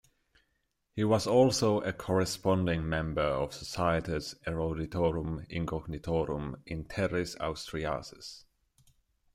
He was also a corresponding member of Societas eruditorum incognitorum in terris Austriacis.